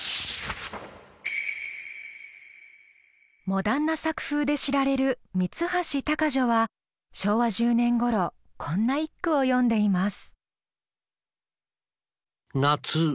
モダンな作風で知られる三橋鷹女は昭和１０年ごろこんな一句を詠んでいます。